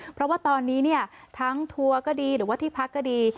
เพราะว่าตอนนี้เนี่ยทั้งทัวร์ก็ดีหรือว่าที่พักก็ดี